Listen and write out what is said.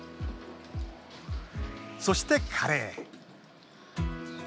そして、カレー。